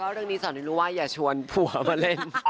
แล้วเรื่องนี้สาวนี้รู้อย่าชวนผัวมาเล่น